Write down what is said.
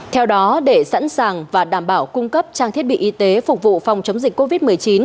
theo đó để sẵn sàng và đảm bảo cung cấp trang thiết bị y tế phục vụ phòng chống dịch covid một mươi chín